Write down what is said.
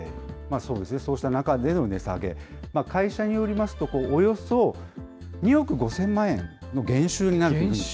そうですね、そうした中での値下げ、会社によりますと、およそ２億５０００万円の減収になると。